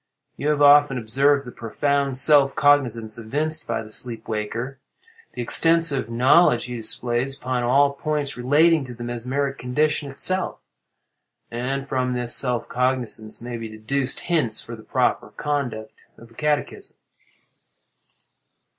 You have often observed the profound self cognizance evinced by the sleep waker—the extensive knowledge he displays upon all points relating to the mesmeric condition itself; and from this self cognizance may be deduced hints for the proper conduct of a catechism."